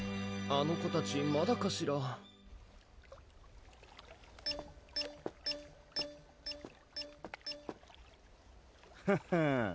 あの子たちまだかしら？ははぁ